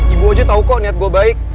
ibu aja tahu kok niat gue baik